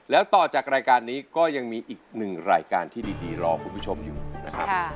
แล้วต่อจากรายการนี้ก็ยังมีอีกหนึ่งรายการที่ดีรอคุณผู้ชมอยู่นะครับ